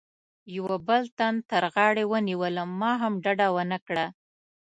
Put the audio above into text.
یوه بل تن تر غاړې ونیولم، ما هم ډډه و نه کړه.